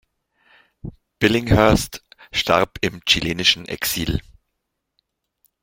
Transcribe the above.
Billinghurst starb im chilenischen Exil.